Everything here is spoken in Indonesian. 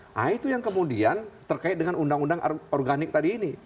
nah itu yang kemudian terkait dengan undang undang organik tadi ini